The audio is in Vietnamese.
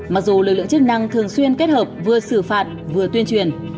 mặc dù lực lượng chức năng thường xuyên kết hợp vừa xử phạt vừa tuyên truyền